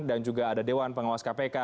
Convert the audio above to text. dan juga ada dewan pengawas kpk